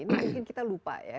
ini mungkin kita lupa ya